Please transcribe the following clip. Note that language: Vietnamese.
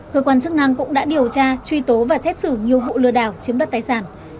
cơ quan chức năng cũng đã điều tra truy tố và xét xử nhiều vụ lừa đảo chiếm đất tài sản